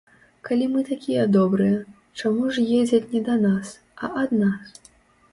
Калі мы такія добрыя, чаму ж ездзяць не да нас, а ад нас?